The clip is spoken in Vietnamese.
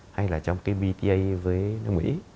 hay là trong cái bta với nước mỹ